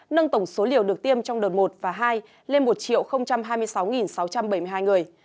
nâng tổng số liều được tiêm trong đợt một và hai lên một hai mươi sáu sáu trăm bảy mươi hai người